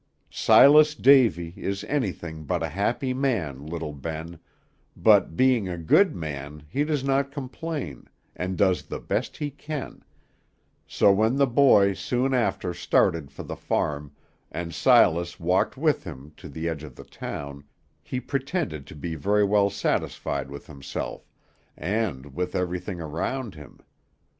Silas Davy is anything but a happy man, little Ben, but, being a good man, he does not complain, and does the best he can, so when the boy soon after started for the farm, and Silas walked with him to the edge of the town, he pretended to be very well satisfied with himself, and with everything around him.